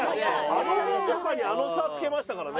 あのみちょぱにあの差つけましたからね。